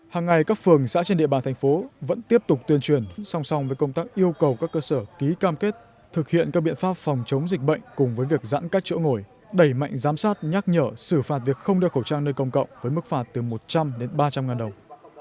hàng ngày các phường xã trên địa bàn thành phố vẫn tiếp tục tuyên truyền song song với công tác yêu cầu các cơ sở ký cam kết thực hiện các biện pháp phòng chống dịch bệnh cùng với việc giãn cách chỗ ngồi đẩy mạnh giám sát nhắc nhở xử phạt việc không đeo khẩu trang nơi công cộng với mức phạt từ một trăm linh đến ba trăm linh ngàn đồng